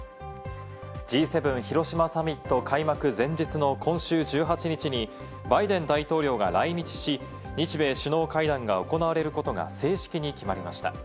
Ｇ７広島サミット開幕前日の今週１８日にバイデン大統領が来日し、日米首脳会談が行われることが正式に決まりました。